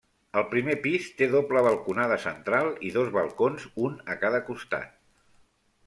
El primer pis té doble balconada central i dos balcons, un a cada costat.